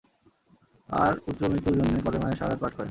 আর পুত্র মৃত্যুর জন্যে কলেমায়ে শাহাদাত পাঠ করেন।